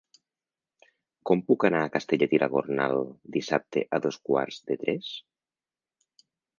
Com puc anar a Castellet i la Gornal dissabte a dos quarts de tres?